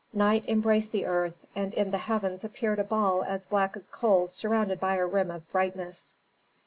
Night embraced the earth, and in the heavens appeared a ball as black as coal surrounded by a rim of brightness.